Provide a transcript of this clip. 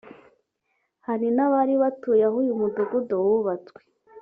Hari n’abari batuye aho uyu mudugudu wubatswe